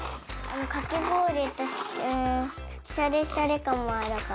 かきごおりってシャリシャリかんもあるから。